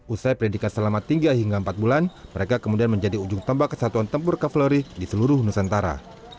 usai pendidikan selama tiga hingga empat bulan mereka kemudian menjadi ujung tombak kesatuan tempur kavaleri di seluruh nusantara